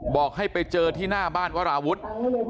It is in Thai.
บอกให้ไปเจอที่หน้าบ้านวราวุฒิ